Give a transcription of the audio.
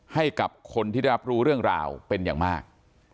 ให้กับคนที่ได้รับรู้เรื่องราวเป็นอย่างมาก